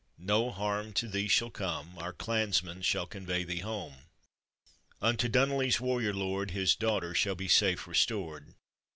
no harm to thee shall come, Our clansmen shall convey thee home — Unto Dunolly's warrior lord His daughter shall be safe restored."